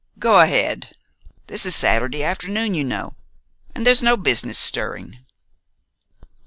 Go ahead. This is Saturday afternoon, you know, and there's no business stirring."